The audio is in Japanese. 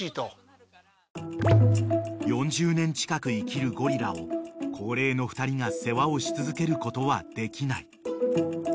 ［４０年近く生きるゴリラを高齢の２人が世話をし続けることはできない］